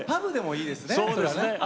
いいですね。